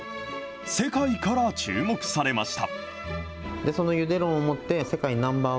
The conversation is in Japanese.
世界から注目されました。